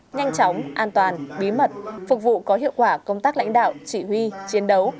nhanh chóng an toàn bí mật phục vụ có hiệu quả công tác lãnh đạo chỉ huy chiến đấu